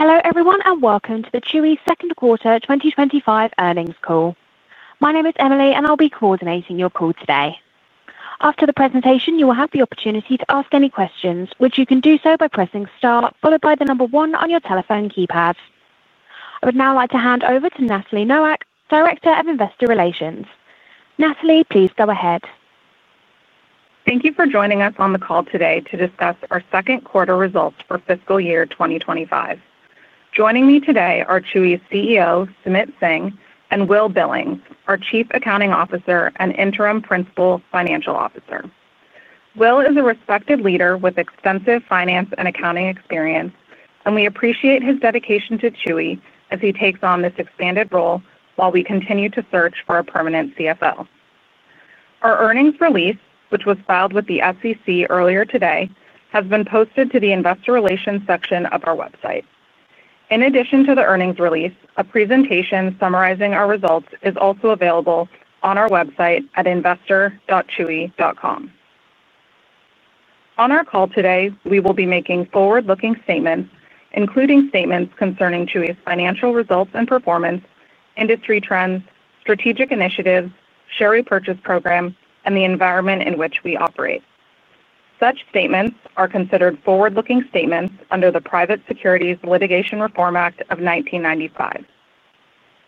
Hello everyone, and welcome to the Chewy second quarter 2025 earnings call. My name is Emily, and I'll be coordinating your call today. After the presentation, you will have the opportunity to ask any questions, which you can do so by pressing star, followed by the number one on your telephone keypad. I would now like to hand over to Natalie Nowak, Director of Investor Relations. Natalie, please go ahead. Thank you for joining us on the call today to discuss our second quarter results for fiscal year 2025. Joining me today are Chewy's CEO, Sumit Singh, and Will Billing, our Chief Accounting Officer and Interim Principal Financial Officer. Will is a respected leader with extensive finance and accounting experience, and we appreciate his dedication to Chewy as he takes on this expanded role while we continue to search for a permanent CFO. Our earnings release, which was filed with the SEC earlier today, has been posted to the Investor Relations section of our website. In addition to the earnings release, a presentation summarizing our results is also available on our website at investor.chewy.com. On our call today, we will be making forward-looking statements, including statements concerning Chewy's financial results and performance, industry trends, strategic initiatives, share repurchase program, and the environment in which we operate. Such statements are considered forward-looking statements under the Private Securities Litigation Reform Act of 1995.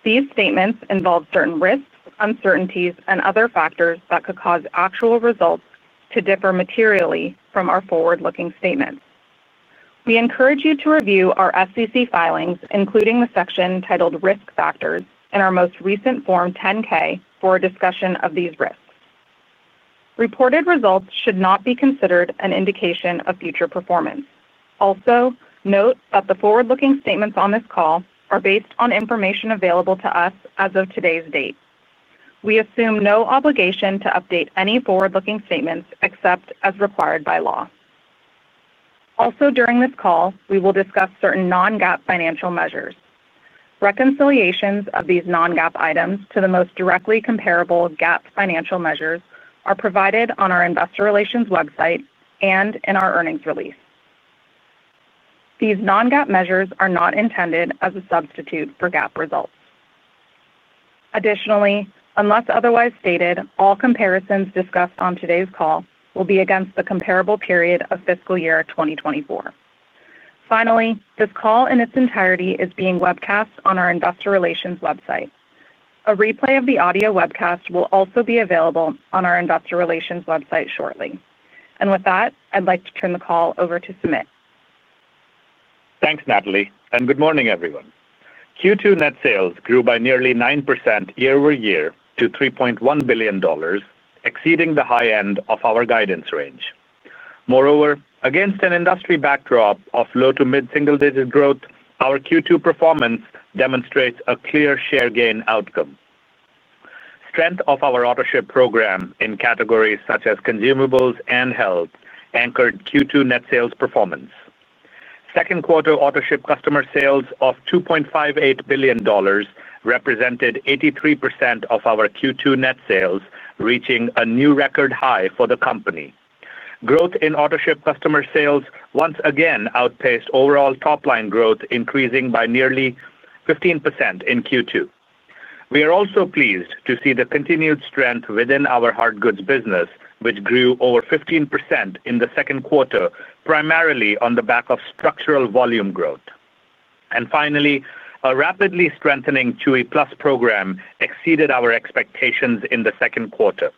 These statements involve certain risks, uncertainties, and other factors that could cause actual results to differ materially from our forward-looking statements. We encourage you to review our SEC filings, including the section titled Risk Factors in our most recent Form 10-K for a discussion of these risks. Reported results should not be considered an indication of future performance. Also, note that the forward-looking statements on this call are based on information available to us as of today's date. We assume no obligation to update any forward-looking statements except as required by law. Also, during this call, we will discuss certain non-GAAP financial measures. Reconciliations of these non-GAAP items to the most directly comparable GAAP financial measures are provided on our Investor Relations website and in our earnings release. These non-GAAP measures are not intended as a substitute for GAAP results. Additionally, unless otherwise stated, all comparisons discussed on today's call will be against the comparable period of fiscal year 2024. Finally, this call in its entirety is being webcast on our Investor Relations website. A replay of the audio webcast will also be available on our Investor Relations website shortly. With that, I'd like to turn the call over to Sumit. Thanks, Natalie, and good morning, everyone. Q2 net sales grew by nearly 9% year over year to $3.1 billion, exceeding the high end of our guidance range. Moreover, against an industry backdrop of low to mid-single-digit growth, our Q2 performance demonstrates a clear share gain outcome. Strength of our Autoship program in categories such as Consumables and Health anchored Q2 net sales performance. Second quarter Autoship customer sales of $2.58 billion represented 83% of our Q2 net sales, reaching a new record high for the company. Growth in Autoship customer sales once again outpaced overall top line growth, increasing by nearly 15% in Q2. We are also pleased to see the continued strength within our Hardgoods business, which grew over 15% in the second quarter, primarily on the back of structural volume growth. A rapidly strengthening Chewy Plus program exceeded our expectations in the second quarter.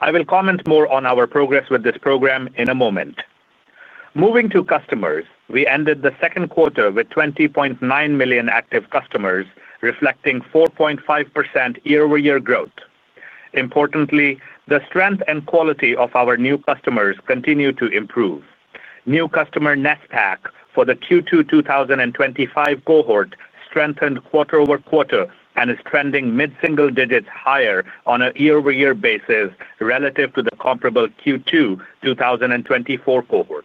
I will comment more on our progress with this program in a moment. Moving to customers, we ended the second quarter with 20.9 million active customers, reflecting 4.5% year-over-year growth. Importantly, the strength and quality of our new customers continue to improve. New customer NESPAC for the Q2 2025 cohort strengthened quarter over quarter and is trending mid-single digits higher on a year-over-year basis relative to the comparable Q2 2024 cohort.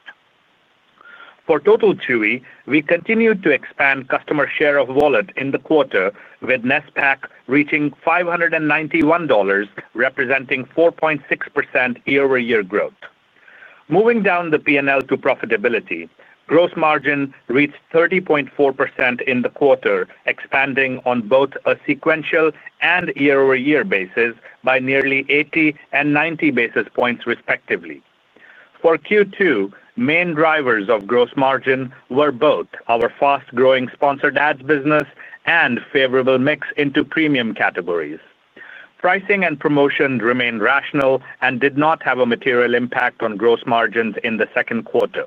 For total Chewy, we continued to expand customer share of wallet in the quarter, with NESPAC reaching $591, representing 4.6% year-over-year growth. Moving down the P&L to profitability, gross margin reached 30.4% in the quarter, expanding on both a sequential and year-over-year basis by nearly 80 and 90 basis points, respectively. For Q2, main drivers of gross margin were both our fast-growing Sponsored Ads business and favorable mix into premium categories. Pricing and promotion remain rational and did not have a material impact on gross margins in the second quarter.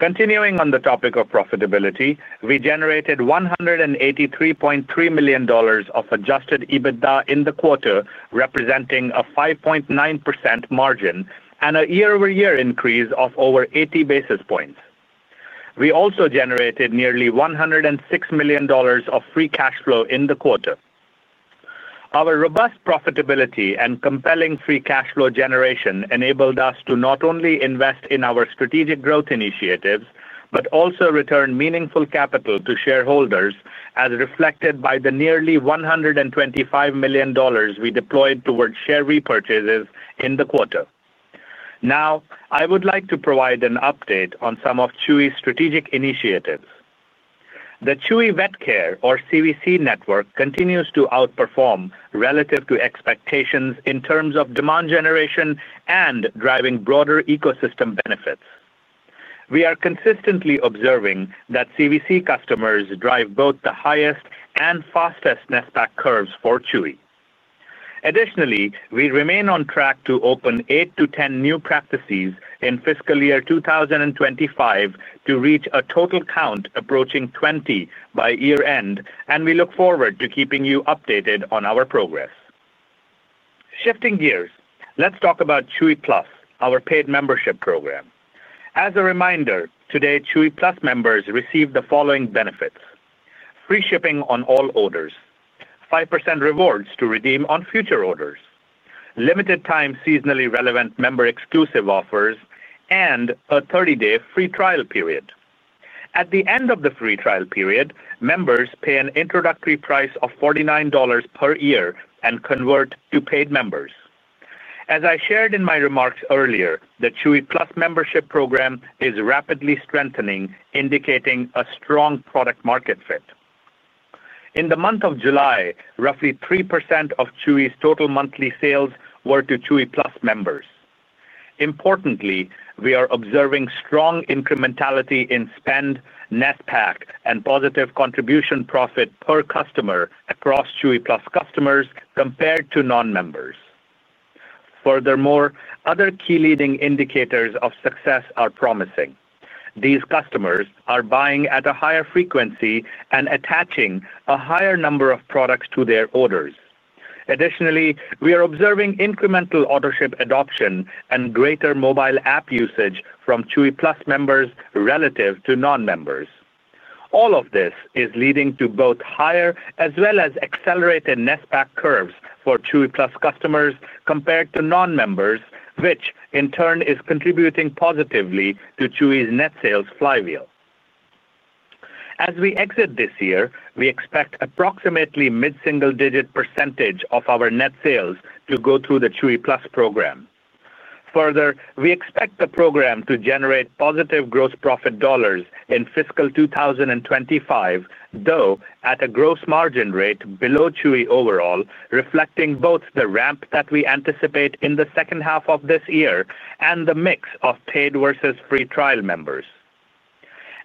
Continuing on the topic of profitability, we generated $183.3 million of adjusted EBITDA in the quarter, representing a 5.9% margin and a year-over-year increase of over 80 basis points. We also generated nearly $106 million of free cash flow in the quarter. Our robust profitability and compelling free cash flow generation enabled us to not only invest in our strategic growth initiatives, but also return meaningful capital to shareholders, as reflected by the nearly $125 million we deployed towards share repurchases in the quarter. Now, I would like to provide an update on some of Chewy's strategic initiatives. The Chewy Vet Care, or CVC network, continues to outperform relative to expectations in terms of demand generation and driving broader ecosystem benefits. We are consistently observing that CVC customers drive both the highest and fastest NESPAC curves for Chewy. Additionally, we remain on track to open 8 to 10 new practices in fiscal year 2025 to reach a total count approaching 20 by year-end, and we look forward to keeping you updated on our progress. Shifting gears, let's talk about Chewy Plus, our paid membership program. As a reminder, today Chewy Plus members receive the following benefits: free shipping on all orders, 5% rewards to redeem on future orders, limited-time seasonally relevant member exclusive offers, and a 30-day free trial period. At the end of the free trial period, members pay an introductory price of $49 per year and convert to paid members. As I shared in my remarks earlier, the Chewy Plus membership program is rapidly strengthening, indicating a strong product-market fit. In the month of July, roughly 3% of Chewy's total monthly sales were to Chewy Plus members. Importantly, we are observing strong incrementality in spend, NESPAC, and positive contribution profit per customer across Chewy Plus customers compared to non-members. Furthermore, other key leading indicators of success are promising. These customers are buying at a higher frequency and attaching a higher number of products to their orders. Additionally, we are observing incremental Autoship adoption and greater mobile app usage from Chewy Plus members relative to non-members. All of this is leading to both higher as well as accelerated NESPAC curves for Chewy Plus customers compared to non-members, which in turn is contributing positively to Chewy's net sales flywheel. As we exit this year, we expect approximately mid-single-digit % of our net sales to go through the Chewy Plus program. Further, we expect the program to generate positive gross profit dollars in fiscal 2025, though at a gross margin rate below Chewy overall, reflecting both the ramp that we anticipate in the second half of this year and the mix of paid versus free trial members.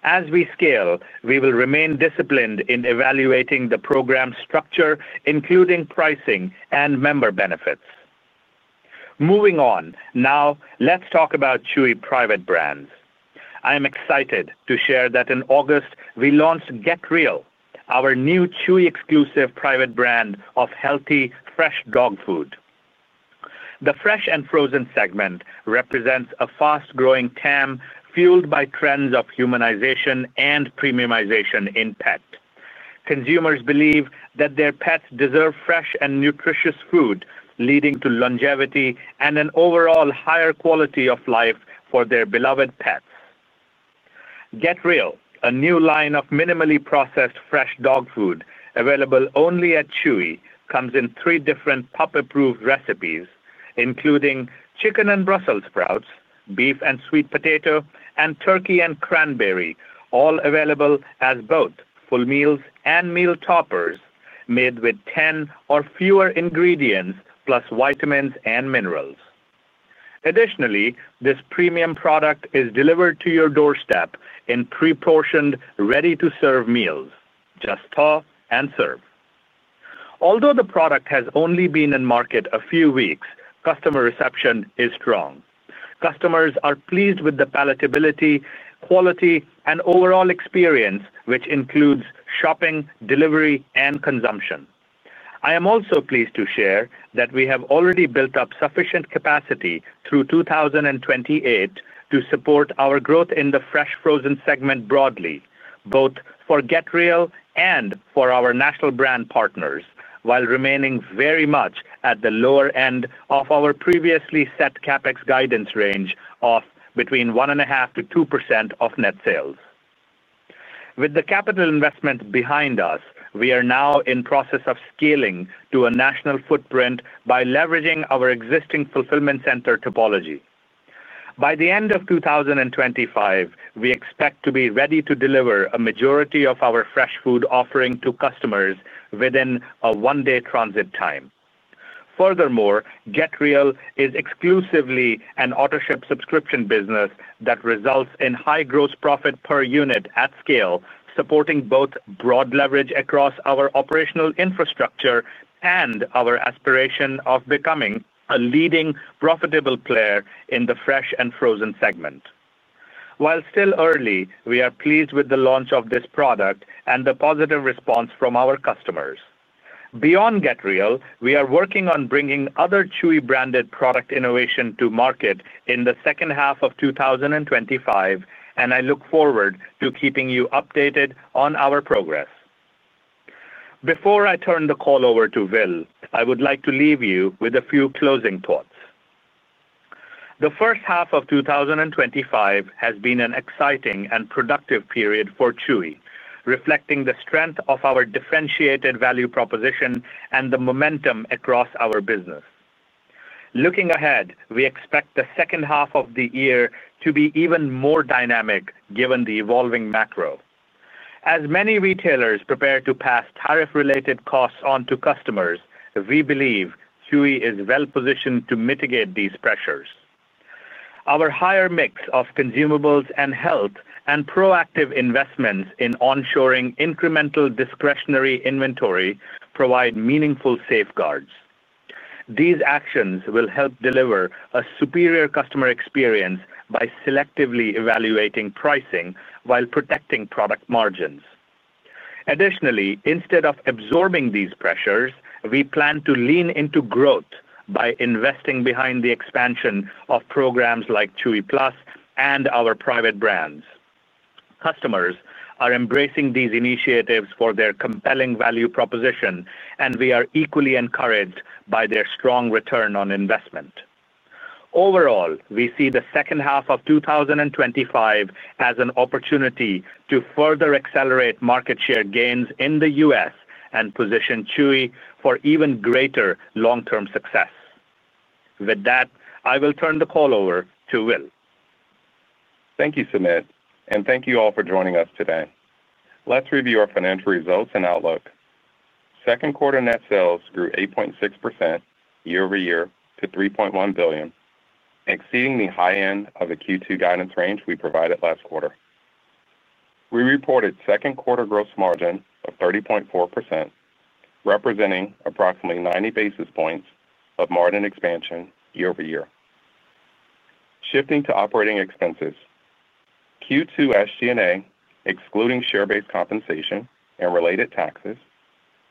As we scale, we will remain disciplined in evaluating the program structure, including pricing and member benefits. Moving on, now let's talk about Chewy private brands. I am excited to share that in August, we launched Get Real, our new Chewy exclusive private brand of healthy, fresh dog food. The fresh and frozen segment represents a fast-growing TAM fueled by trends of humanization and premiumization in pet. Consumers believe that their pets deserve fresh and nutritious food, leading to longevity and an overall higher quality of life for their beloved pets. Get Real, a new line of minimally processed fresh dog food available only at Chewy, comes in three different pup-approved recipes, including chicken and Brussels sprouts, beef and sweet potato, and turkey and cranberry, all available as both full meals and meal toppers made with 10 or fewer ingredients plus vitamins and minerals. Additionally, this premium product is delivered to your doorstep in pre-portioned, ready-to-serve meals. Just pour and serve. Although the product has only been in market a few weeks, customer reception is strong. Customers are pleased with the palatability, quality, and overall experience, which includes shopping, delivery, and consumption. I am also pleased to share that we have already built up sufficient capacity through 2028 to support our growth in the fresh frozen segment broadly, both for Get Real and for our national brand partners, while remaining very much at the lower end of our previously set CapEx guidance range of between 1.5% to 2% of net sales. With the capital investments behind us, we are now in the process of scaling to a national footprint by leveraging our existing fulfillment center topology. By the end of 2025, we expect to be ready to deliver a majority of our fresh food offering to customers within a one-day transit time. Furthermore, Get Real is exclusively an Autoship subscription business that results in high gross profit per unit at scale, supporting both broad leverage across our operational infrastructure and our aspiration of becoming a leading profitable player in the fresh and frozen segment. While still early, we are pleased with the launch of this product and the positive response from our customers. Beyond Get Real, we are working on bringing other Chewy-branded product innovation to market in the second half of 2025, and I look forward to keeping you updated on our progress. Before I turn the call over to Will, I would like to leave you with a few closing thoughts. The first half of 2025 has been an exciting and productive period for Chewy, reflecting the strength of our differentiated value proposition and the momentum across our business. Looking ahead, we expect the second half of the year to be even more dynamic given the evolving macro. As many retailers prepare to pass tariff-related costs onto customers, we believe Chewy is well positioned to mitigate these pressures. Our higher mix of consumables and health and proactive investments in onshoring incremental discretionary inventory provide meaningful safeguards. These actions will help deliver a superior customer experience by selectively evaluating pricing while protecting product margins. Additionally, instead of absorbing these pressures, we plan to lean into growth by investing behind the expansion of programs like Chewy Plus and our private brands. Customers are embracing these initiatives for their compelling value proposition, and we are equally encouraged by their strong return on investment. Overall, we see the second half of 2025 as an opportunity to further accelerate market share gains in the U.S. and position Chewy for even greater long-term success. With that, I will turn the call over to Will. Thank you, Sumit, and thank you all for joining us today. Let's review our financial results and outlook. Second quarter net sales grew 8.6% year over year to $3.1 billion, exceeding the high end of the Q2 guidance range we provided last quarter. We reported second quarter gross margin of 30.4%, representing approximately 90 basis points of margin expansion year over year. Shifting to operating expenses, Q2 SG&A, excluding share-based compensation and related taxes,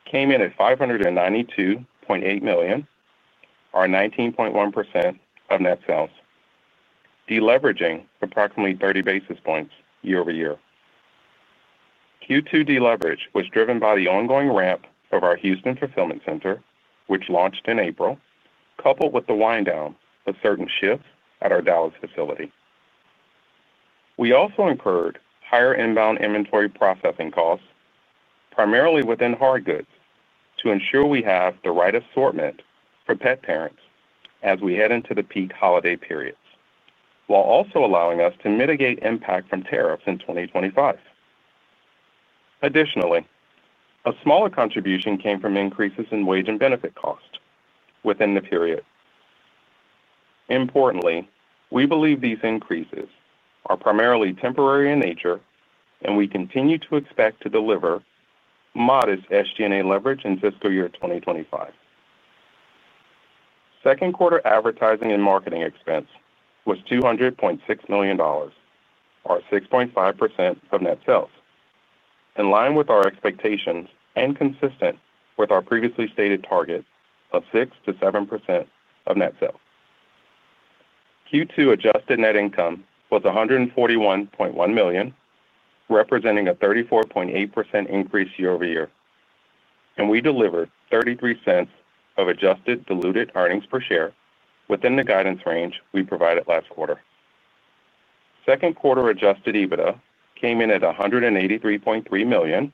came in at $592.8 million, or 19.1% of net sales, deleveraging approximately 30 basis points year over year. Q2 deleverage was driven by the ongoing ramp of our Houston fulfillment center, which launched in April, coupled with the wind-down of certain shifts at our Dallas facility. We also incurred higher inbound inventory processing costs, primarily within hardgoods, to ensure we have the right assortment for pet parents as we head into the peak holiday periods, while also allowing us to mitigate impact from tariffs in 2025. Additionally, a smaller contribution came from increases in wage and benefit costs within the period. Importantly, we believe these increases are primarily temporary in nature, and we continue to expect to deliver modest SG&A leverage in fiscal year 2025. Second quarter advertising and marketing expense was $200.6 million, or 6.5% of net sales, in line with our expectations and consistent with our previously stated target of 6% to 7% of net sales. Q2 adjusted net income was $141.1 million, representing a 34.8% increase year over year, and we delivered $0.33 of adjusted diluted earnings per share within the guidance range we provided last quarter. Second quarter adjusted EBITDA came in at $183.3 million,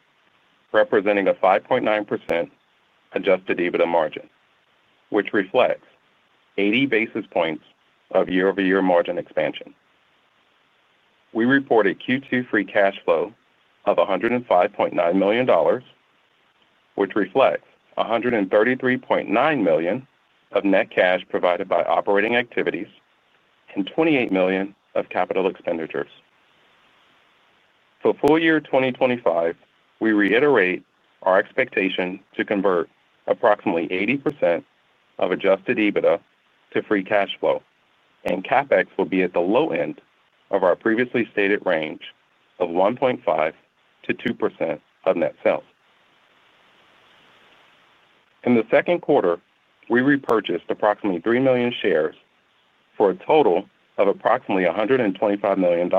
representing a 5.9% adjusted EBITDA margin, which reflects 80 basis points of year-over-year margin expansion. We reported Q2 free cash flow of $105.9 million, which reflects $133.9 million of net cash provided by operating activities and $28 million of capital expenditures. For full year 2025, we reiterate our expectation to convert approximately 80% of adjusted EBITDA to free cash flow, and CapEx will be at the low end of our previously stated range of 1.5% to 2% of net sales. In the second quarter, we repurchased approximately 3 million shares for a total of approximately $125 million.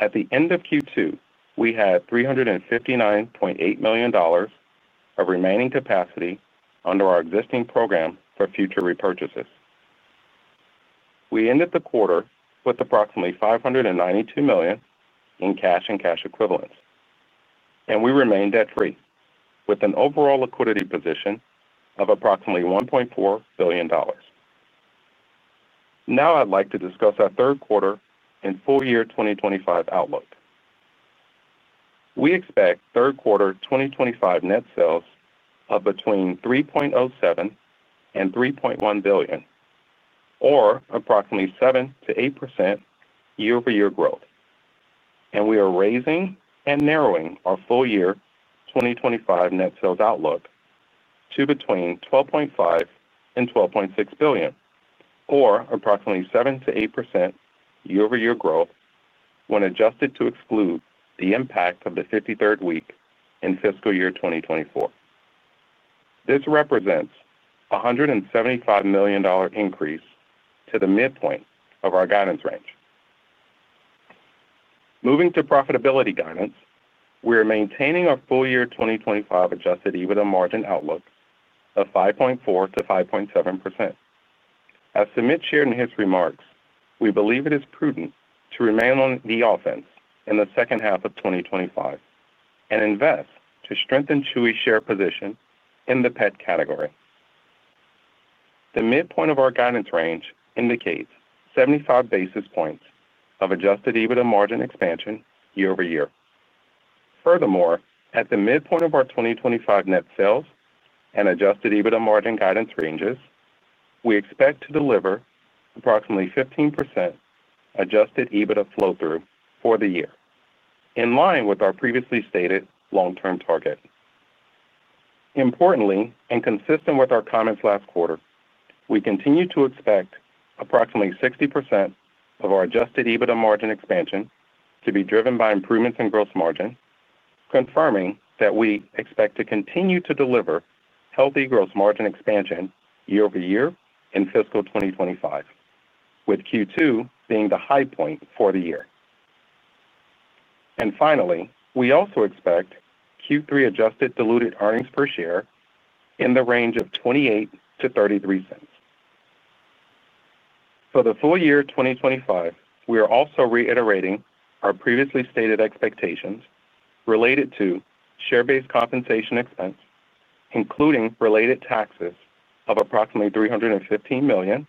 At the end of Q2, we had $359.8 million of remaining capacity under our existing program for future repurchases. We ended the quarter with approximately $592 million in cash and cash equivalents, and we remained debt-free with an overall liquidity position of approximately $1.4 billion. Now I'd like to discuss our third quarter and full year 2025 outlook. We expect third quarter 2025 net sales of between $3.07 and $3.1 billion, or approximately 7% to 8% year-over-year growth, and we are raising and narrowing our full year 2025 net sales outlook to between $12.5 and $12.6 billion, or approximately 7% to 8% year-over-year growth when adjusted to exclude the impact of the 53rd week in fiscal year 2024. This represents a $175 million increase to the midpoint of our guidance range. Moving to profitability guidance, we are maintaining a full year 2025 adjusted EBITDA margin outlook of 5.4% to 5.7%. As Sumit shared in his remarks, we believe it is prudent to remain on the offense in the second half of 2025 and invest to strengthen Chewy's share position in the pet category. The midpoint of our guidance range indicates 75 basis points of adjusted EBITDA margin expansion year over year. Furthermore, at the midpoint of our 2025 net sales and adjusted EBITDA margin guidance ranges, we expect to deliver approximately 15% adjusted EBITDA flow-through for the year, in line with our previously stated long-term target. Importantly, and consistent with our comments last quarter, we continue to expect approximately 60% of our adjusted EBITDA margin expansion to be driven by improvements in gross margin, confirming that we expect to continue to deliver healthy gross margin expansion year over year in fiscal 2025, with Q2 being the high point for the year. Finally, we also expect Q3 adjusted diluted earnings per share in the range of $0.28 to $0.33. For the full year 2025, we are also reiterating our previously stated expectations related to share-based compensation expense, including related taxes of approximately $315 million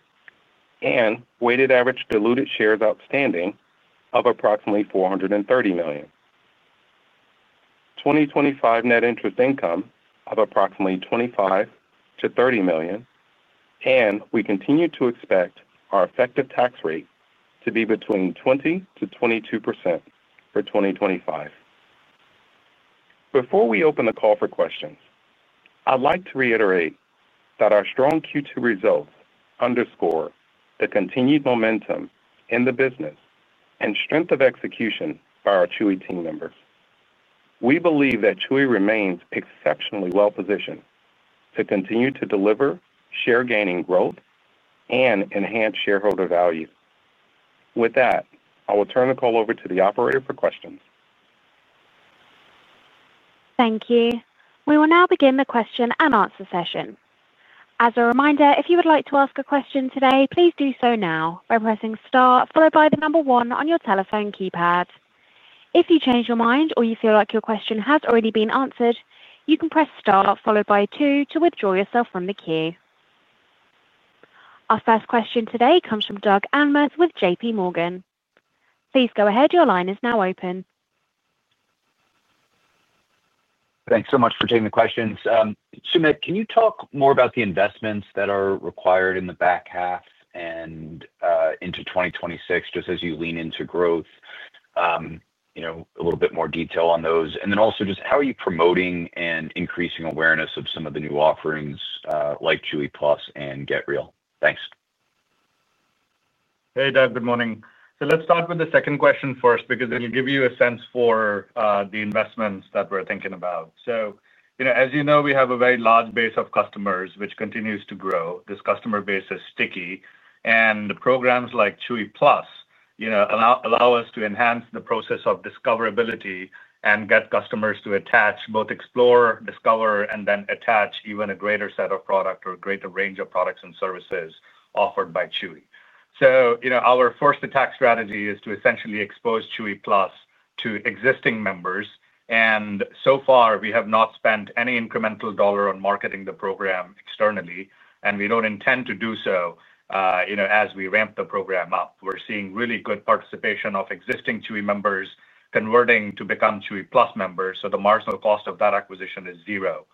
and weighted average diluted shares outstanding of approximately 430 million, 2025 net interest income of approximately $25 to $30 million, and we continue to expect our effective tax rate to be between 20% to 22% for 2025. Before we open the call for questions, I'd like to reiterate that our strong Q2 results underscore the continued momentum in the business and strength of execution by our Chewy team members. We believe that Chewy remains exceptionally well positioned to continue to deliver share-gaining growth and enhance shareholder values. With that, I will turn the call over to the operator for questions. Thank you. We will now begin the question and answer session. As a reminder, if you would like to ask a question today, please do so now by pressing star, followed by the number one on your telephone keypad. If you change your mind or you feel like your question has already been answered, you can press star, followed by two to withdraw yourself from the queue. Our first question today comes from Douglas Till Anmuth with JPMorgan Chase & Co. Please go ahead, your line is now open. Thanks so much for taking the questions. Sumit, can you talk more about the investments that are required in the back half and into 2026, just as you lean into growth, a little bit more detail on those, and then also just how are you promoting and increasing awareness of some of the new offerings like Chewy Plus and Get Real? Thanks. Hey, Doug, good morning. Let's start with the second question first because it'll give you a sense for the investments that we're thinking about. As you know, we have a very large base of customers, which continues to grow. This customer base is sticky, and programs like Chewy Plus allow us to enhance the process of discoverability and get customers to attach, both explore, discover, and then attach even a greater set of products or a greater range of products and services offered by Chewy. Our first attack strategy is to essentially expose Chewy Plus to existing members, and so far we have not spent any incremental dollar on marketing the program externally, and we don't intend to do so as we ramp the program up. We're seeing really good participation of existing Chewy members converting to become Chewy Plus members, so the marginal cost of that acquisition is zero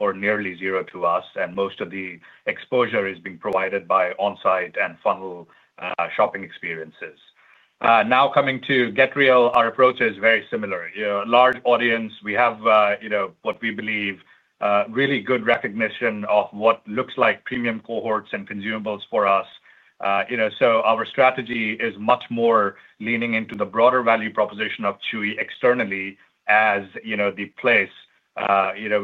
or nearly zero to us, and most of the exposure is being provided by onsite and funnel shopping experiences. Now coming to Get Real, our approach is very similar. A large audience, we have what we believe, really good recognition of what looks like premium cohorts and consumables for us. Our strategy is much more leaning into the broader value proposition of Chewy externally as the place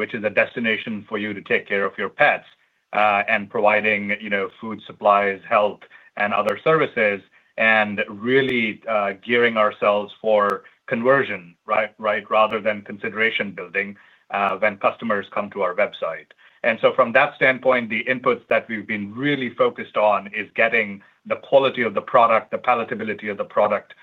which is a destination for you to take care of your pets and providing food supplies, health, and other services, and really gearing ourselves for conversion, right, rather than consideration building when customers come to our website. From that standpoint, the inputs that we've been really focused on are getting the quality of the product, the palatability of the product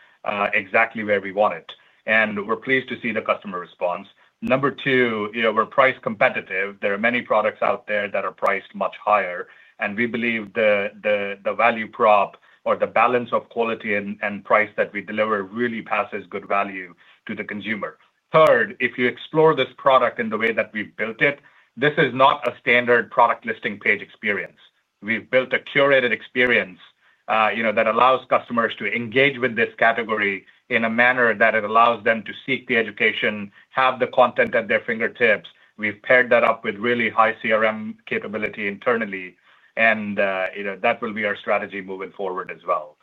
exactly where we want it, and we're pleased to see the customer response. Number two, we're price competitive. There are many products out there that are priced much higher, and we believe the value prop or the balance of quality and price that we deliver really passes good value to the consumer. Third, if you explore this product in the way that we've built it, this is not a standard product listing page experience. We've built a curated experience that allows customers to engage with this category in a manner that allows them to seek the education, have the content at their fingertips. We've paired that up with really high CRM capability internally, and that will be our strategy moving forward as well.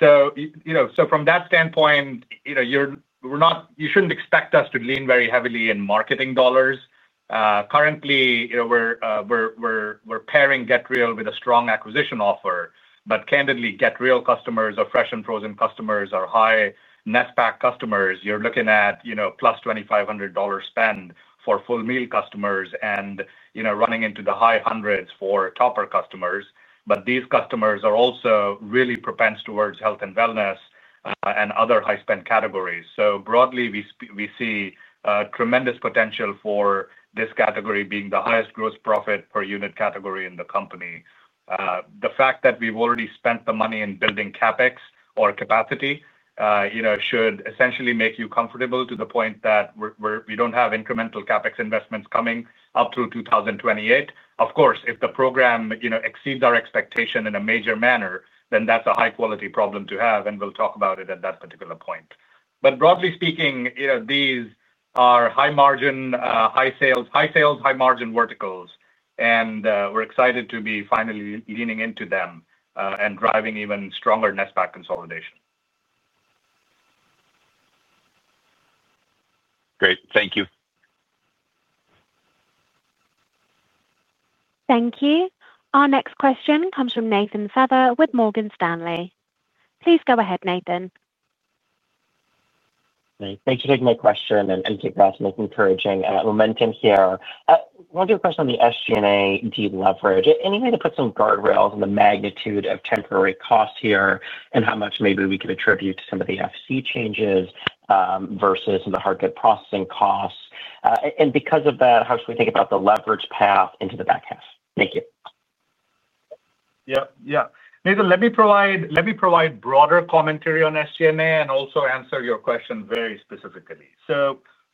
From that standpoint, you shouldn't expect us to lean very heavily in marketing dollars. Currently, we're pairing Get Real with a strong acquisition offer, but candidly, Get Real customers are fresh and frozen customers, are high NESPAC customers. You're looking at plus $2,500 spend for full meal customers and running into the high hundreds for topper customers, but these customers are also really propensed towards Health and Wellness and other high spend categories. Broadly, we see a tremendous potential for this category being the highest gross profit per unit category in the company. The fact that we've already spent the money in building CapEx or capacity should essentially make you comfortable to the point that we don't have incremental CapEx investments coming up through 2028. Of course, if the program exceeds our expectation in a major manner, then that's a high quality problem to have, and we'll talk about it at that particular point. Broadly speaking, these are high margin, high sales, high margin verticals, and we're excited to be finally leaning into them and driving even stronger NESPAC consolidation. Great, thank you. Thank you. Our next question comes from Nathaniel Jay Feather with Morgan Stanley. Please go ahead, Nathaniel. Thanks for taking my question, and thank you for asking this encouraging momentum here. One of your questions on the SG&A deleverage, it made me put some guardrails on the magnitude of temporary costs here and how much maybe we could attribute to some of the FC changes versus the hardgoods processing costs. Because of that, how should we think about the leverage path into the back half? Thank you. Yeah, yeah. Nathan, let me provide broader commentary on SG&A and also answer your question very specifically.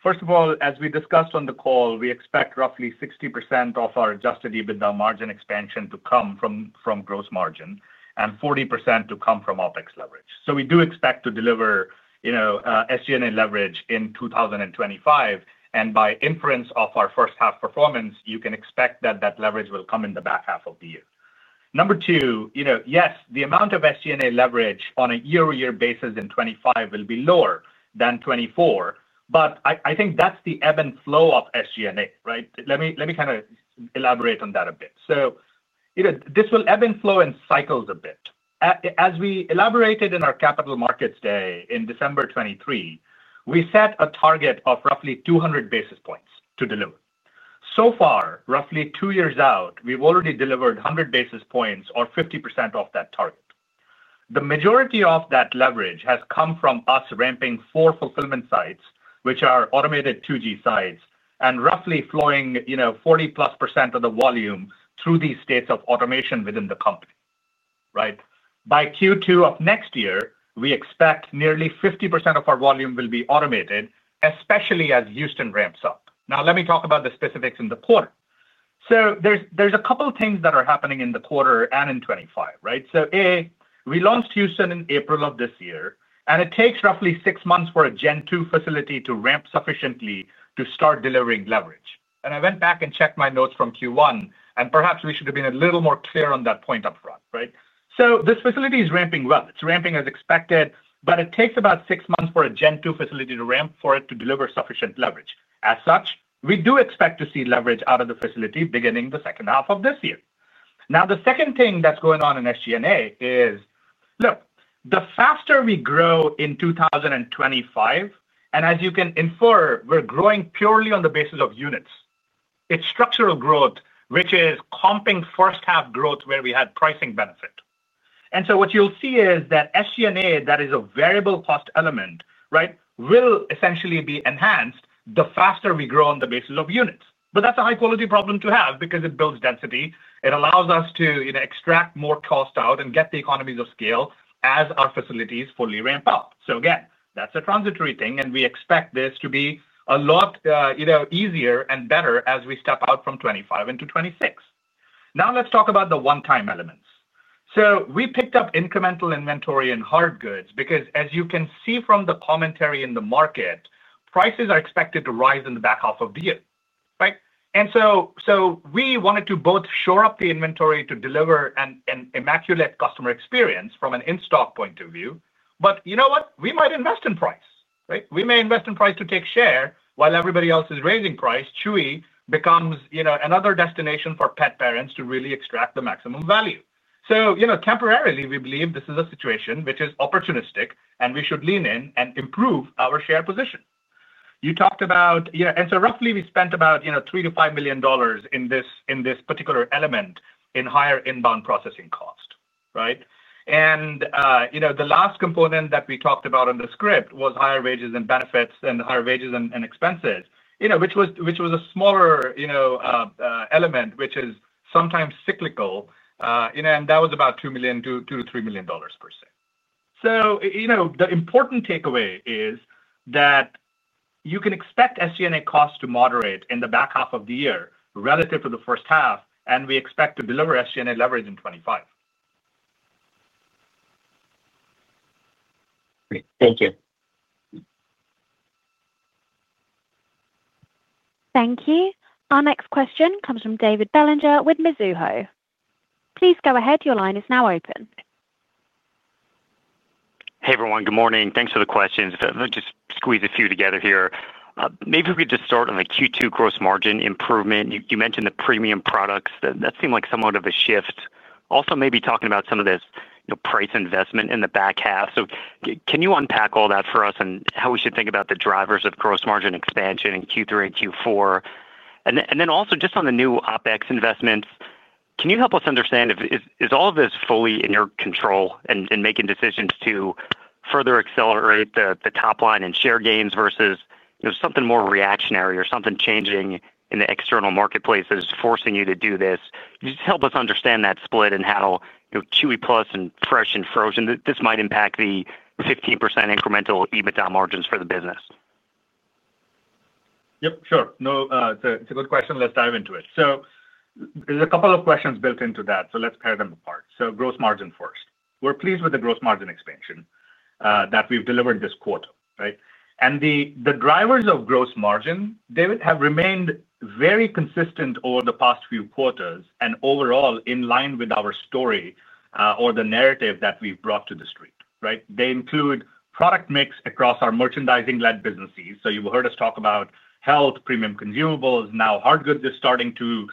First of all, as we discussed on the call, we expect roughly 60% of our adjusted EBITDA margin expansion to come from gross margin and 40% to come from OpEx leverage. We do expect to deliver, you know, SG&A leverage in 2025, and by inference of our first half performance, you can expect that that leverage will come in the back half of the year. Number two, yes, the amount of SG&A leverage on a year-over-year basis in 2025 will be lower than 2024, but I think that's the ebb and flow of SG&A, right? Let me kind of elaborate on that a bit. This will ebb and flow in cycles a bit. As we elaborated in our Capital Markets Day in December 2023, we set a target of roughly 200 basis points to deliver. So far, roughly two years out, we've already delivered 100 basis points or 50% of that target. The majority of that leverage has come from us ramping four fulfillment sites, which are automated 2G sites, and roughly flowing, you know, 40+% of the volume through these states of automation within the company, right? By Q2 of next year, we expect nearly 50% of our volume will be automated, especially as Houston ramps up. Now let me talk about the specifics in the quarter. There's a couple of things that are happening in the quarter and in 2025, right? A, we launched Houston in April of this year, and it takes roughly six months for a Gen 2 facility to ramp sufficiently to start delivering leverage. I went back and checked my notes from Q1, and perhaps we should have been a little more clear on that point upfront, right? This facility is ramping well. It's ramping as expected, but it takes about six months for a Gen 2 facility to ramp for it to deliver sufficient leverage. As such, we do expect to see leverage out of the facility beginning the second half of this year. The second thing that's going on in SG&A is, look, the faster we grow in 2025, and as you can infer, we're growing purely on the basis of units. It's structural growth, which is comping first half growth where we had pricing benefit. What you'll see is that SG&A, that is a variable cost element, right, will essentially be enhanced the faster we grow on the basis of units. That's a high quality problem to have because it builds density. It allows us to extract more cost out and get the economies of scale as our facilities fully ramp up. That's a transitory thing, and we expect this to be a lot easier and better as we step out from 2025 into 2026. Now let's talk about the one-time elements. We picked up incremental inventory in hardgoods because, as you can see from the commentary in the market, prices are expected to rise in the back half of the year, right? We wanted to both shore up the inventory to deliver an immaculate customer experience from an in-stock point of view, but you know what? We might invest in price, right? We may invest in price to take share while everybody else is raising price. Chewy becomes another destination for pet parents to really extract the maximum value. Temporarily, we believe this is a situation which is opportunistic, and we should lean in and improve our share position. You talked about, yeah, and so roughly we spent about $3 million to $5 million in this particular element in higher inbound processing cost, right? The last component that we talked about on the script was higher wages and benefits and higher wages and expenses, which was a smaller element, which is sometimes cyclical, and that was about $2 million to $3 million per share. The important takeaway is that you can expect SG&A costs to moderate in the back half of the year relative to the first half, and we expect to deliver SG&A leverage in 2025. Great, thank you. Thank you. Our next question comes from David Leonard Bellinger with Mizuho Securities USA LLC. Please go ahead, your line is now open. Hey everyone, good morning. Thanks for the questions. If I just squeeze a few together here, maybe we could just start on the Q2 gross margin improvement. You mentioned the premium products. That seemed like somewhat of a shift. Also, maybe talking about some of this price investment in the back half. Can you unpack all that for us and how we should think about the drivers of gross margin expansion in Q3 and Q4? Also, just on the new OpEx investments, can you help us understand if all of this is fully in your control and making decisions to further accelerate the top line and share gains versus something more reactionary or something changing in the external marketplace that is forcing you to do this? Help us understand that split and how Chewy Plus and fresh and frozen might impact the 15% incremental EBITDA margins for the business. Yep, sure. No, it's a good question. Let's dive into it. There's a couple of questions built into that, so let's pare them apart. Gross margin first. We're pleased with the gross margin expansion that we've delivered this quarter, right? The drivers of gross margin, David, have remained very consistent over the past few quarters and overall in line with our story or the narrative that we've brought to the street, right? They include product mix across our merchandising-led businesses. You've heard us talk about health, premium consumables, now hardgoods is starting to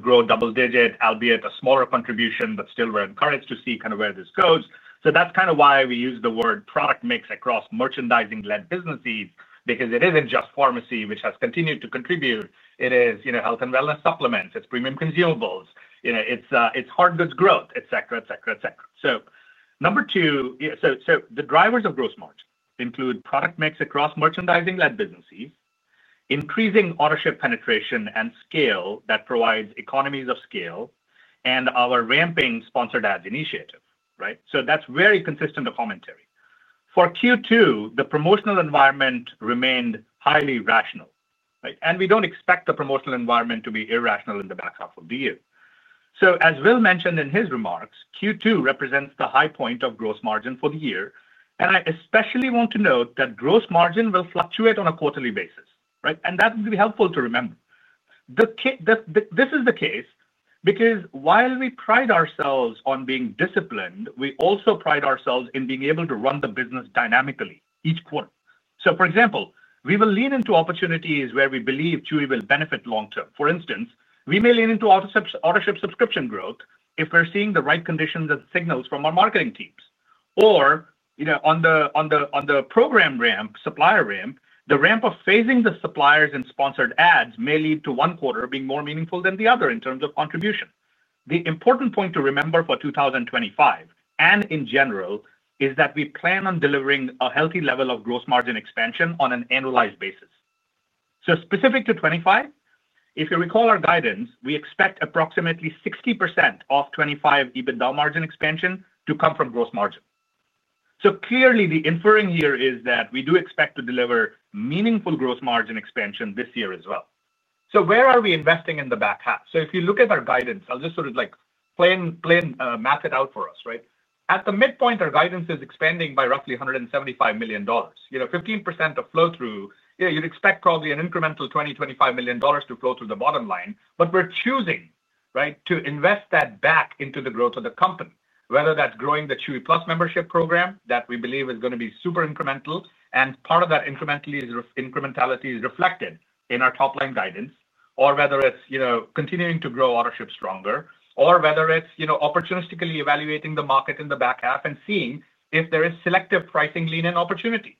grow double digit, albeit a smaller contribution, but still we're encouraged to see kind of where this goes. That's kind of why we use the word product mix across merchandising-led businesses because it isn't just pharmacy, which has continued to contribute. It is health and wellness supplements, it's premium consumables, it's hardgoods growth, et cetera, et cetera, et cetera. Number two, the drivers of gross margin include product mix across merchandising-led businesses, increasing Autoship penetration and scale that provides economies of scale, and our ramping Sponsored Ads initiative, right? That's very consistent commentary. For Q2, the promotional environment remained highly rational, right? We don't expect the promotional environment to be irrational in the back half of the year. As Will mentioned in his remarks, Q2 represents the high point of gross margin for the year, and I especially want to note that gross margin will fluctuate on a quarterly basis, right? That would be helpful to remember. This is the case because while we pride ourselves on being disciplined, we also pride ourselves in being able to run the business dynamically each quarter. For example, we will lean into opportunities where we believe Chewy will benefit long term. For instance, we may lean into Autoship subscription growth if we're seeing the right conditions and signals from our marketing teams. On the program ramp, supplier ramp, the ramp of phasing the suppliers and Sponsored Ads may lead to one quarter being more meaningful than the other in terms of contribution. The important point to remember for 2025 and in general is that we plan on delivering a healthy level of gross margin expansion on an annualized basis. Specific to 2025, if you recall our guidance, we expect approximately 60% of 2025 adjusted EBITDA margin expansion to come from gross margin. Clearly, the inferring here is that we do expect to deliver meaningful gross margin expansion this year as well. Where are we investing in the back half? If you look at our guidance, I'll just sort of plain map it out for us, right? At the midpoint, our guidance is expanding by roughly $175 million. With 15% of flow-through, you'd expect probably an incremental $20 million, $25 million to flow through the bottom line, but we're choosing to invest that back into the growth of the company, whether that's growing the Chewy Plus membership program that we believe is going to be super incremental, and part of that incrementality is reflected in our top line guidance, or whether it's continuing to grow Autoship stronger, or whether it's opportunistically evaluating the market in the back half and seeing if there is selective pricing lean-in opportunity.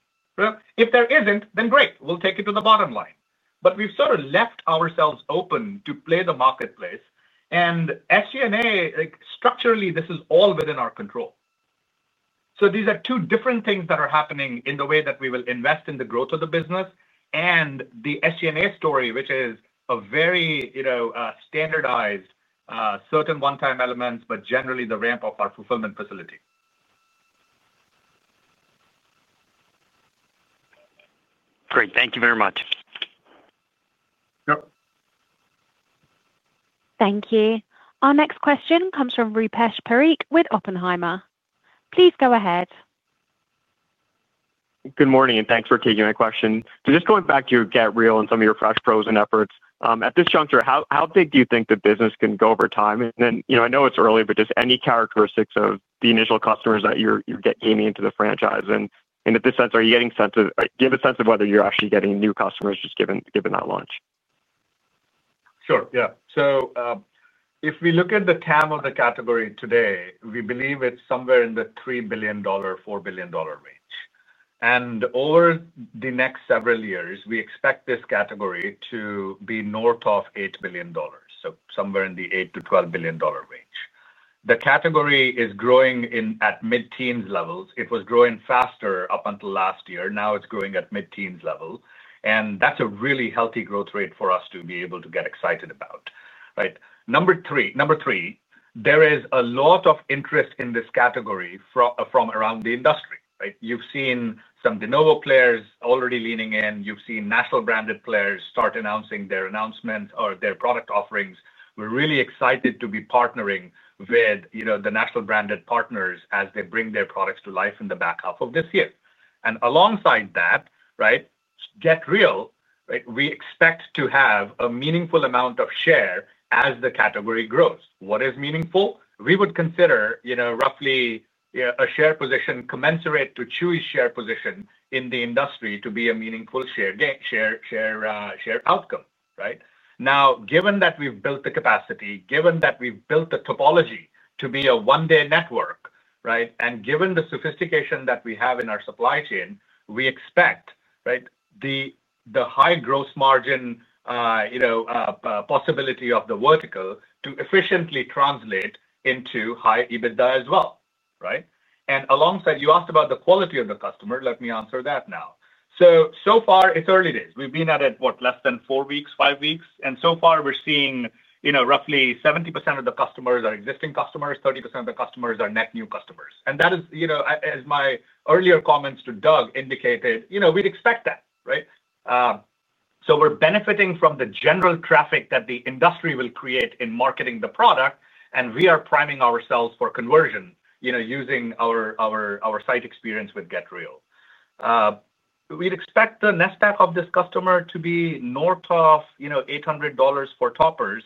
If there isn't, then great, we'll take it to the bottom line. We've left ourselves open to play the marketplace, and SG&A, structurally, this is all within our control. These are two different things that are happening in the way that we will invest in the growth of the business and the SG&A story, which is a very standardized, certain one-time elements, but generally the ramp up our fulfillment facility. Great, thank you very much. Yep. Thank you. Our next question comes from Rupesh Dhinoj Parikh with Oppenheimer & Co. Inc. Please go ahead. Good morning, and thanks for taking my question. Just going back to your Get Real and some of your fresh frozen efforts, at this juncture, how big do you think the business can go over time? I know it's early, but just any characteristics of the initial customers that you're getting into the franchise, and in this sense, are you getting a sense of whether you're actually getting new customers just given that launch? Sure, yeah. If we look at the TAM of the category today, we believe it's somewhere in the $3 billion to $4 billion range. Over the next several years, we expect this category to be north of $8 billion, so somewhere in the $8 billion to $12 billion range. The category is growing at mid-teens levels. It was growing faster up until last year. Now it's growing at mid-teens level, and that's a really healthy growth rate for us to be able to get excited about, right? Number three, there is a lot of interest in this category from around the industry, right? You've seen some de novo players already leaning in. You've seen national branded players start announcing their announcements or their product offerings. We're really excited to be partnering with the national branded partners as they bring their products to life in the back half of this year. Alongside that, Get Real, we expect to have a meaningful amount of share as the category grows. What is meaningful? We would consider, you know, roughly a share position commensurate to Chewy's share position in the industry to be a meaningful share outcome, right? Now, given that we've built the capacity, given that we've built the topology to be a one-day network, and given the sophistication that we have in our supply chain, we expect the high gross margin possibility of the vertical to efficiently translate into high EBITDA as well, right? You asked about the quality of the customer. Let me answer that now. So far, it's early days. We've been at it, what, less than four weeks, five weeks, and so far we're seeing roughly 70% of the customers are existing customers, 30% of the customers are net new customers. That is, as my earlier comments to Doug indicated, we'd expect that, right? We're benefiting from the general traffic that the industry will create in marketing the product, and we are priming ourselves for conversion using our site experience with Get Real. We'd expect the NESPAC of this customer to be north of $800 for toppers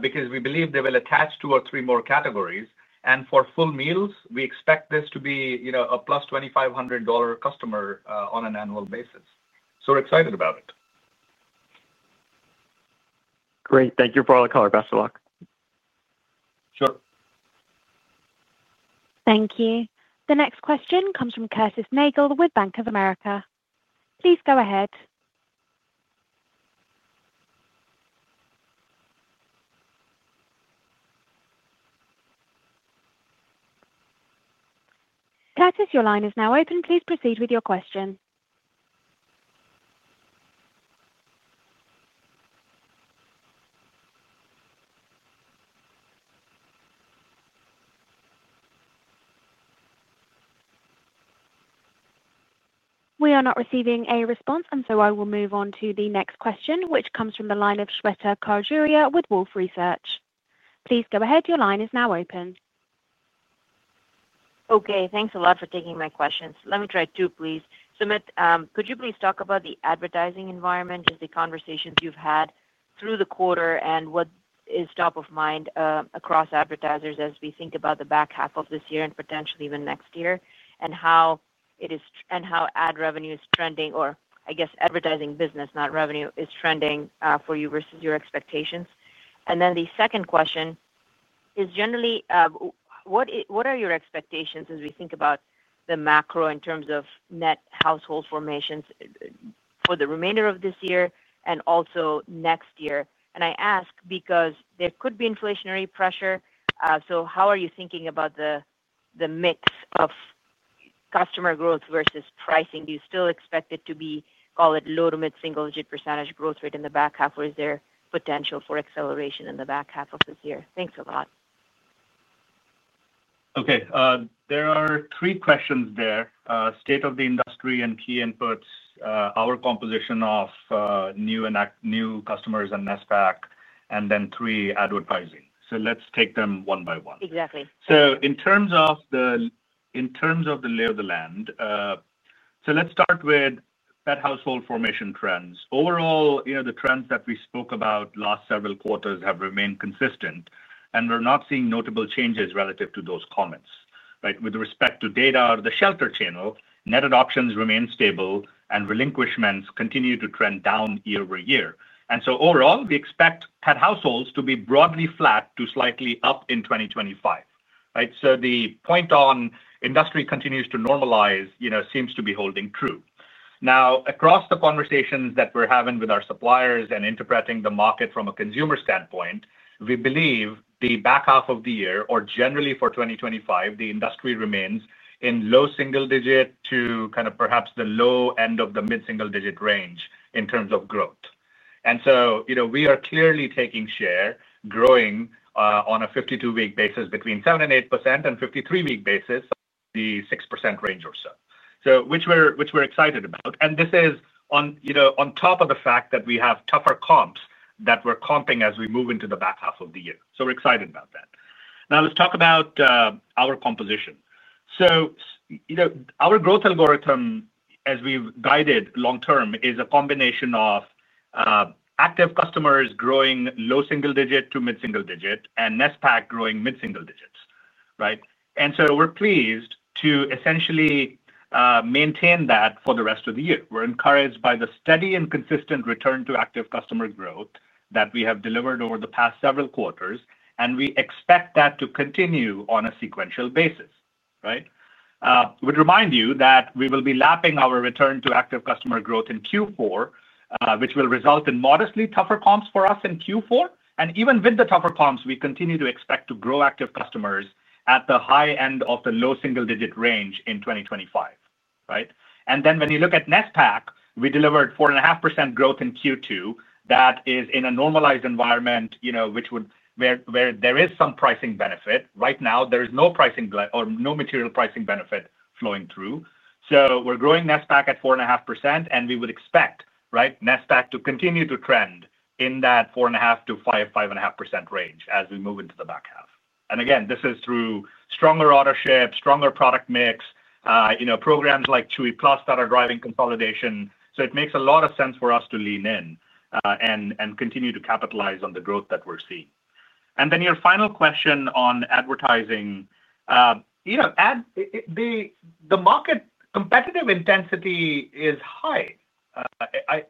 because we believe they will attach two or three more categories, and for full meals, we expect this to be a plus $2,500 customer on an annual basis. We're excited about it. Great, thank you for all the color. Best of luck. Sure. Thank you. The next question comes from Curtis Smyser Nagle with BofA Securities. Please go ahead. Curtis, your line is now open. Please proceed with your question. We are not receiving a response, and so I will move on to the next question, which comes from the line of Shweta R. Khajuria with Wolfe Research LLC. Please go ahead, your line is now open. Okay, thanks a lot for taking my questions. Let me try two, please. Sumit, could you please talk about the advertising environment, just the conversations you've had through the quarter, and what is top of mind across advertisers as we think about the back half of this year and potentially even next year, and how it is and how ad revenue is trending, or I guess advertising business, not revenue, is trending for you versus your expectations? The second question is generally, what are your expectations as we think about the macro in terms of net household formations for the remainder of this year and also next year? I ask because there could be inflationary pressure. How are you thinking about the mix of customer growth versus pricing? Do you still expect it to be, call it low to mid-single-digit % growth rate in the back half, or is there potential for acceleration in the back half of this year? Thanks a lot. Okay, there are three questions there: state of the industry and key inputs, our composition of new and new customers and NESPAC, and then three advertising. Let's take them one by one. Exactly. In terms of the lay of the land, let's start with pet household formation trends. Overall, the trends that we spoke about last several quarters have remained consistent, and we're not seeing notable changes relative to those comments, right? With respect to data or the shelter channel, net adoptions remain stable, and relinquishments continue to trend down year over year. Overall, we expect pet households to be broadly flat to slightly up in 2025, right? The point on industry continues to normalize, seems to be holding true. Across the conversations that we're having with our suppliers and interpreting the market from a consumer standpoint, we believe the back half of the year, or generally for 2025, the industry remains in low single-digit to perhaps the low end of the mid-single-digit range in terms of growth. We are clearly taking share, growing on a 52-week basis between 7% and 8%, and a 53-week basis, the 6% range or so, which we're excited about. This is on top of the fact that we have tougher comps that we're comping as we move into the back half of the year. We're excited about that. Now let's talk about our composition. Our growth algorithm, as we've guided long term, is a combination of active customers growing low single-digit to mid-single-digit, and NESPAC growing mid-single-digits, right? We're pleased to essentially maintain that for the rest of the year. We're encouraged by the steady and consistent return to active customer growth that we have delivered over the past several quarters, and we expect that to continue on a sequential basis, right? I would remind you that we will be lapping our return to active customer growth in Q4, which will result in modestly tougher comps for us in Q4, and even with the tougher comps, we continue to expect to grow active customers at the high end of the low single-digit range in 2025, right? When you look at NESPAC, we delivered 4.5% growth in Q2. That is in a normalized environment, where there is some pricing benefit. Right now, there is no pricing or no material pricing benefit flowing through. We're growing NESPAC at 4.5%, and we would expect NESPAC to continue to trend in that 4.5% to 5.5% range as we move into the back half. This is through stronger Autoship, stronger product mix, programs like Chewy Plus that are driving consolidation. It makes a lot of sense for us to lean in and continue to capitalize on the growth that we're seeing. Your final question on advertising, the market competitive intensity is high.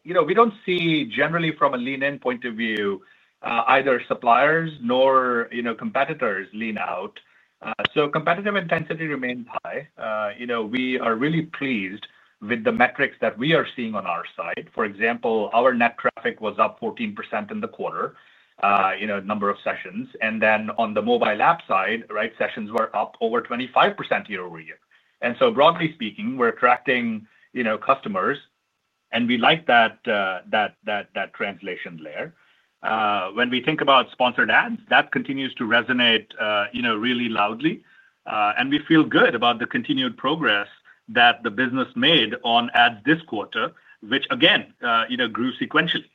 We don't see generally from a lean-in point of view either suppliers nor competitors lean out. Competitive intensity remains high. We are really pleased with the metrics that we are seeing on our side. For example, our net traffic was up 14% in the quarter, number of sessions. On the mobile app side, sessions were up over 25% year over year. Broadly speaking, we're attracting customers, and we like that translation layer. When we think about Sponsored Ads, that continues to resonate really loudly. We feel good about the continued progress that the business made on ads this quarter, which again grew sequentially.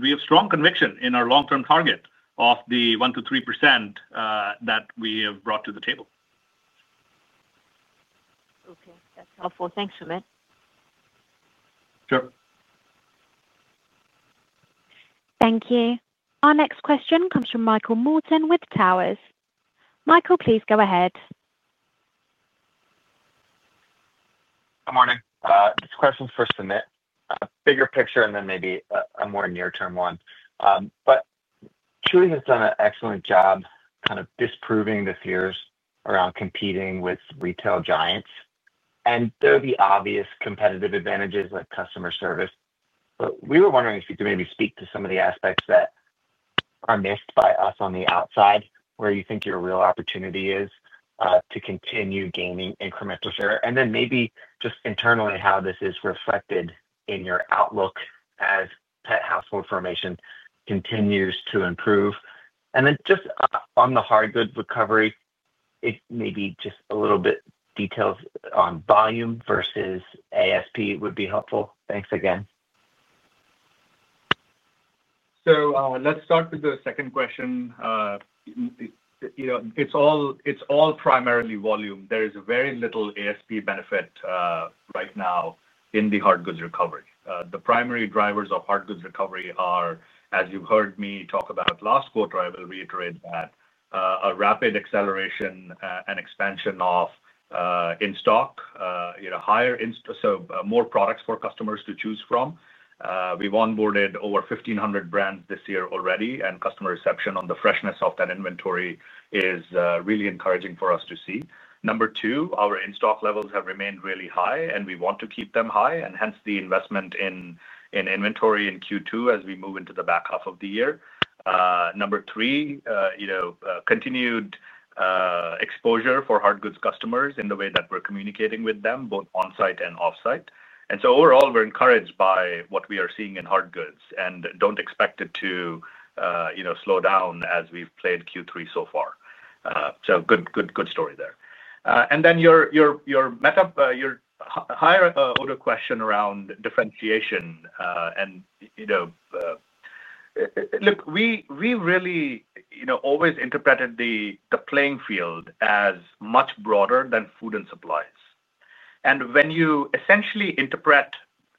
We have strong conviction in our long-term target of the 1% to 3% that we have brought to the table. Okay, that's helpful. Thanks, Sumit. Sure. Thank you. Our next question comes from Michael Morton with Towers. Michael, please go ahead. Good morning. This question's for Sumit, a bigger picture, and then maybe a more near-term one. Chewy has done an excellent job kind of disproving the fears around competing with retail giants, and though the obvious competitive advantages like customer service, we were wondering if you could maybe speak to some of the aspects that are missed by us on the outside where you think your real opportunity is to continue gaining incremental share, and then maybe just internally how this is reflected in your outlook as pet household formation continues to improve. On the hardgoods recovery, maybe just a little bit detailed on volume versus ASP would be helpful. Thanks again. Let's start with the second question. It's all primarily volume. There is very little ASP benefit right now in the hardgoods recovery. The primary drivers of hardgoods recovery are, as you've heard me talk about last quarter, I will reiterate that, a rapid acceleration and expansion of in-stock, higher in-stock, so more products for customers to choose from. We've onboarded over 1,500 brands this year already, and customer reception on the freshness of that inventory is really encouraging for us to see. Number two, our in-stock levels have remained really high, and we want to keep them high, hence the investment in inventory in Q2 as we move into the back half of the year. Number three, continued exposure for hardgoods customers in the way that we're communicating with them, both onsite and offsite. Overall, we're encouraged by what we are seeing in hardgoods and don't expect it to slow down as we've played Q3 so far. Good story there. Your higher order question around differentiation, we really always interpreted the playing field as much broader than food and supplies. When you essentially interpret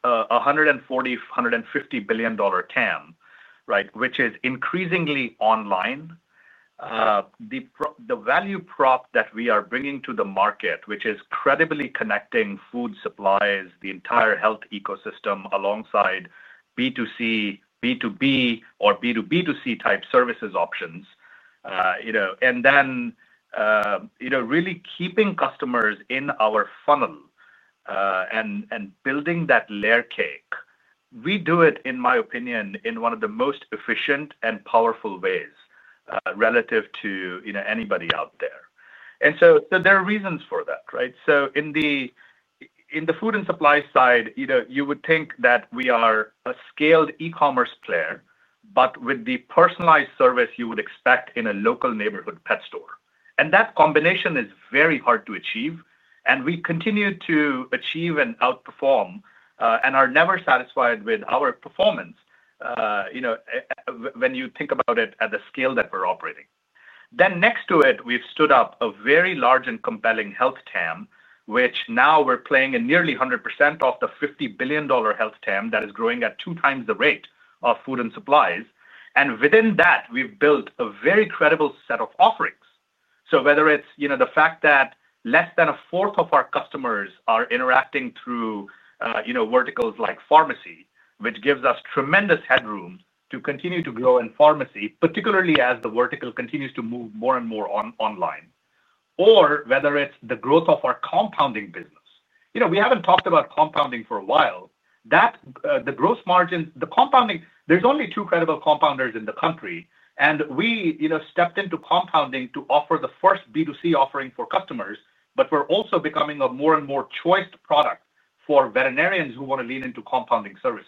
a $140 to $150 billion TAM, which is increasingly online, the value prop that we are bringing to the market, which is credibly connecting food, supplies, the entire health ecosystem alongside B2C, B2B, or B2B2C type services options, and really keeping customers in our funnel and building that layer cake, we do it, in my opinion, in one of the most efficient and powerful ways relative to anybody out there. There are reasons for that, right? In the food and supply side, you would think that we are a scaled e-commerce player, but with the personalized service you would expect in a local neighborhood pet store. That combination is very hard to achieve, and we continue to achieve and outperform and are never satisfied with our performance when you think about it at the scale that we're operating. Next to it, we've stood up a very large and compelling health TAM, which now we're playing in nearly 100% of the $50 billion health TAM that is growing at two times the rate of food and supplies. Within that, we've built a very credible set of offerings. Whether it's the fact that less than a fourth of our customers are interacting through verticals like pharmacy, which gives us tremendous headroom to continue to grow in pharmacy, particularly as the vertical continues to move more and more online, or whether it's the growth of our compounding business. We haven't talked about compounding for a while. That's the gross margins. The compounding, there's only two credible compounders in the country, and we stepped into compounding to offer the first B2C offering for customers, but we're also becoming a more and more choiced product for veterinarians who want to lean into compounding services.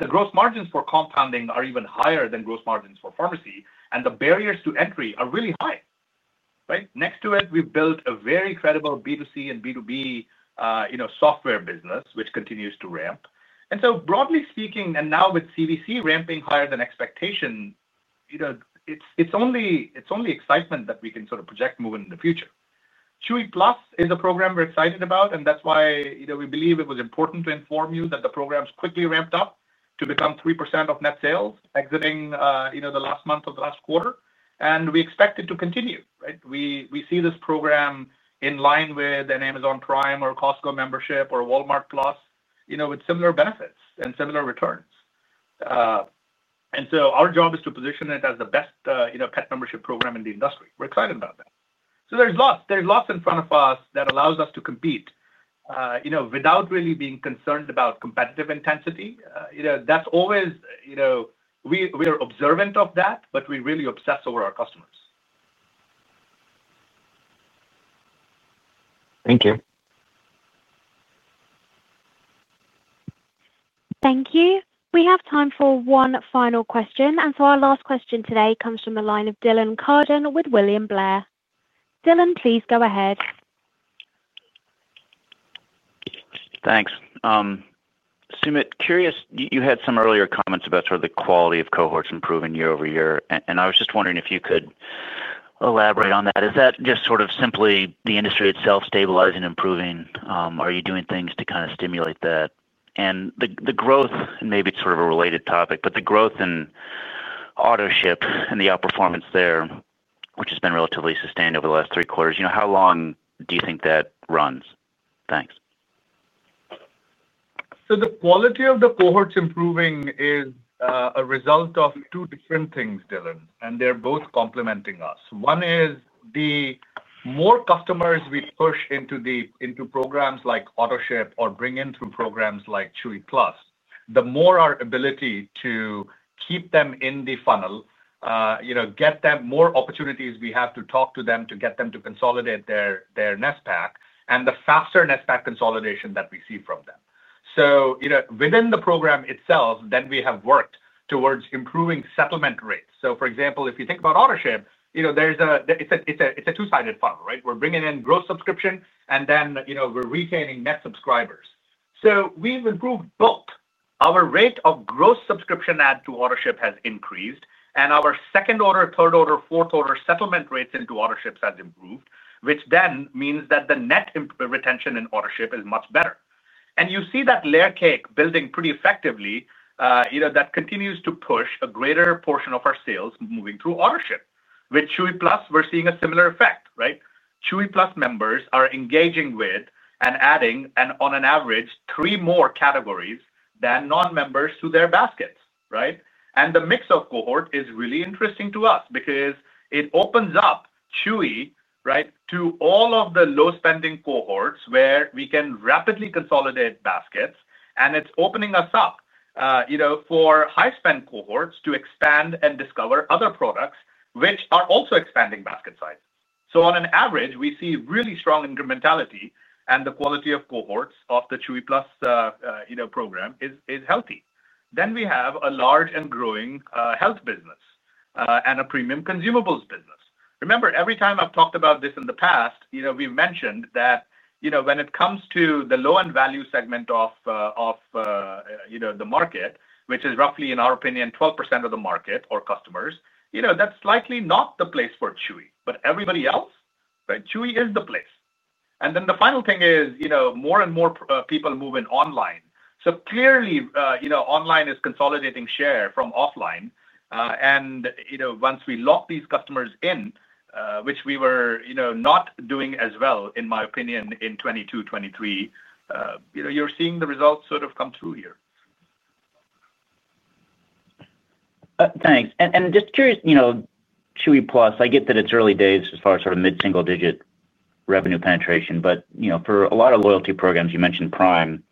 The gross margins for compounding are even higher than gross margins for pharmacy, and the barriers to entry are really high, right? Next to it, we've built a very credible B2C and B2B software business, which continues to ramp. Broadly speaking, and now with Chewy Vet Care ramping higher than expectation, it's only excitement that we can sort of project moving in the future. Chewy Plus is a program we're excited about, and that's why we believe it was important to inform you that the program's quickly ramped up to become 3% of net sales exiting the last month of the last quarter, and we expect it to continue, right? We see this program in line with an Amazon Prime or Costco membership or Walmart Plus, with similar benefits and similar returns. Our job is to position it as the best pet membership program in the industry. We're excited about that. There's lots in front of us that allows us to compete without really being concerned about competitive intensity. That's always, we are observant of that, but we really obsess over our customers. Thank you. Thank you. We have time for one final question, and our last question today comes from the line of Dylan Cardin with William Blair. Dylan, please go ahead. Thanks. Sumit, curious, you had some earlier comments about sort of the quality of cohorts improving year over year, and I was just wondering if you could elaborate on that. Is that just simply the industry itself stabilizing and improving? Are you doing things to kind of stimulate that? The growth, and maybe it's sort of a related topic, the growth in Autoship and the outperformance there, which has been relatively sustained over the last three quarters, you know, how long do you think that runs? Thanks. The quality of the cohorts improving is a result of two different things, Dylan, and they're both complementing us. One is the more customers we push into programs like Autoship or bring in through programs like Chewy Plus, the more our ability to keep them in the funnel, get them more opportunities we have to talk to them to get them to consolidate their NESPAC and the faster NESPAC consolidation that we see from them. Within the program itself, we have worked towards improving settlement rates. For example, if you think about Autoship, it's a two-sided funnel, right? We're bringing in gross subscription, and then we're retaining net subscribers. We've improved both. Our rate of gross subscription add to Autoship has increased, and our second order, third order, fourth order settlement rates into Autoship have improved, which then means that the net retention in Autoship is much better. You see that layer cake building pretty effectively, and that continues to push a greater portion of our sales moving through Autoship. With Chewy Plus, we're seeing a similar effect. Chewy Plus members are engaging with and adding, on an average, three more categories than non-members to their baskets. The mix of cohort is really interesting to us because it opens up Chewy to all of the low spending cohorts where we can rapidly consolidate baskets, and it's opening us up for high spend cohorts to expand and discover other products which are also expanding basket size. On an average, we see really strong incrementality, and the quality of cohorts of the Chewy Plus program is healthy. We have a large and growing health business and a premium consumables business. Remember, every time I've talked about this in the past, we've mentioned that when it comes to the low-end value segment of the market, which is roughly, in our opinion, 12% of the market or customers, that's likely not the place for Chewy, but everybody else, Chewy is the place. The final thing is more and more people move in online. Clearly, online is consolidating share from offline, and once we lock these customers in, which we were not doing as well, in my opinion, in 2022, 2023, you're seeing the results sort of come through here. Thanks. Just curious, you know, Chewy Plus, I get that it's early days as far as sort of mid-single-digit revenue penetration, but for a lot of loyalty programs, you mentioned Prime,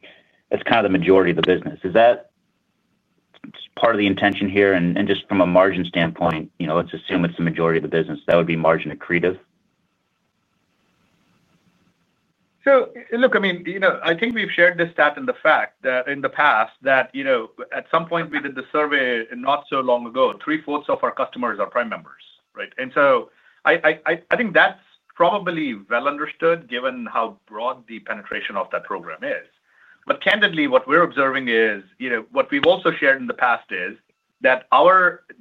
it's kind of the majority of the business. Is that part of the intention here? Just from a margin standpoint, let's assume it's the majority of the business, that would be margin accretive? I think we've shared this stat and the fact that in the past, at some point within the survey not so long ago, three-fourths of our customers are Prime members, right? I think that's probably well understood given how broad the penetration of that program is. Candidly, what we're observing is, what we've also shared in the past is that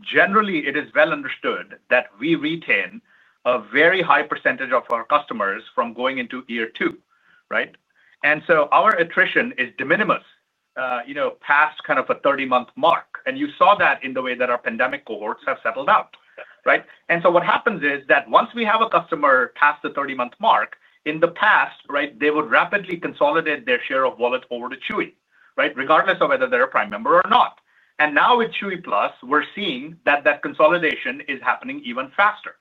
generally, it is well understood that we retain a very high percentage of our customers from going into year two, right? Our attrition is de minimis past kind of a 30-month mark. You saw that in the way that our pandemic cohorts have settled out, right? What happens is that once we have a customer past the 30-month mark, in the past, they would rapidly consolidate their share of wallet over to Chewy, right, regardless of whether they're a Prime member or not. Now with Chewy Plus, we're seeing that that consolidation is happening even faster.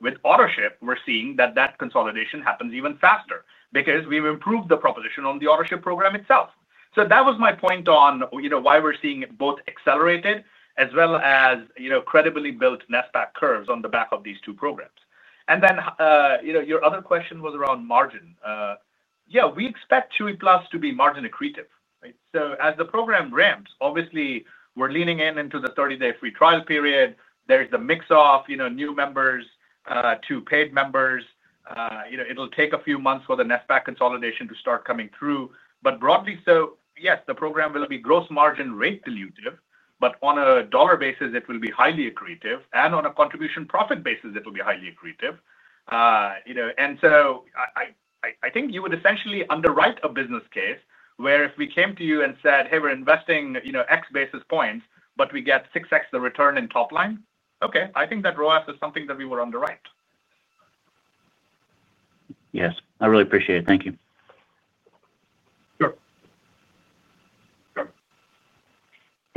With Autoship, we're seeing that that consolidation happens even faster because we've improved the proposition on the Autoship program itself. That was my point on why we're seeing it both accelerated as well as credibly built NESPAC curves on the back of these two programs. Your other question was around margin. We expect Chewy Plus to be margin accretive, right? As the program ramps, obviously, we're leaning in into the 30-day free trial period. There's the mix of new members to paid members. It'll take a few months for the NESPAC consolidation to start coming through. Broadly, yes, the program will be gross margin rate dilutive, but on a dollar basis, it will be highly accretive, and on a contribution profit basis, it will be highly accretive. I think you would essentially underwrite a business case where if we came to you and said, "Hey, we're investing, X basis points, but we get 6X the return in top line," I think that ROAS is something that we would underwrite. Yes, I really appreciate it. Thank you.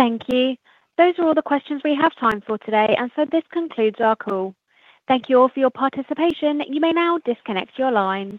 Thank you. Those are all the questions we have time for today, and this concludes our call. Thank you all for your participation. You may now disconnect your line.